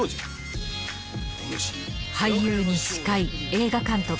俳優に司会映画監督。